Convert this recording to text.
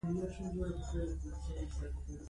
د قانون اطاعت د ټولو وجیبه ده.